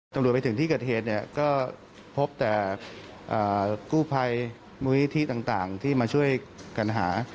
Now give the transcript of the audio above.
ตำรวจไปถึงที่กะเทศเนี่ยก็พบแต่กู้ไพรมหุ้ยที่ต่างที่มาช่วยกันหา